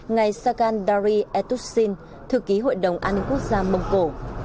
ngài sakan dari etusin thư ký hội đồng an ninh quốc gia mông cổ